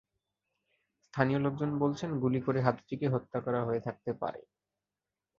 স্থানীয় লোকজন বলছেন, গুলি করে হাতিটিকে হত্যা করা হয়ে থাকতে পারে।